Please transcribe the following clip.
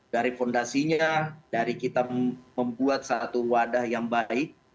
dari fondasinya dari kita membuat satu wadah yang baik